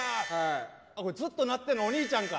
ずっと鳴ってるのお兄ちゃんか！